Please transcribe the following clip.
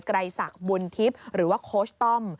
ไรศักดิ์บุญทิพย์หรือว่าโค้ชต้อม